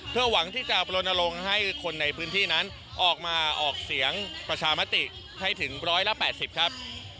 เพื่อหวังที่จะบลนลงให้คนในพื้นที่นั้นออกมาออกเสียงประชามติให้ถึง๑๘๐ครับ